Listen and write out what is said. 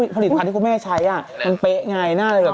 เพราะผลิตภาคที่คุณแม่ใช้มันเป๊ะไงหน้าเลย